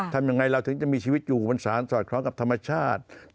ทำอย่างไรเราถึงจะมีชีวิตอยู่บนสารสอดคล้องกับธรรมชาติ